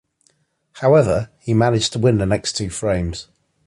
However, he managed to win the next two frames.